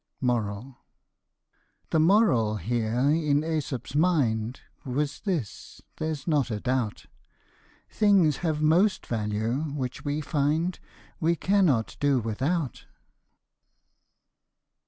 The moral here in ^Esop's mind Was this, there's not a doubt ; Things have most value which we find We cannot do without.